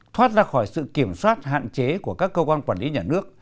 thoát ra khỏi sự kiểm soát hạn chế của các cơ quan quản lý nhà nước